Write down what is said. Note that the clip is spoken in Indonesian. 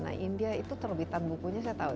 nah india itu terbitan bukunya saya tahu